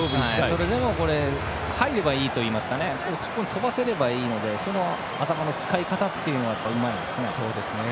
それでも入ればいいといいますか飛ばせればいいのでその頭の使い方はうまいですね。